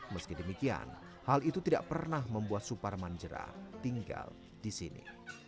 meski demikian hal itu tidak pernah membuat suparman jerah tinggal di sini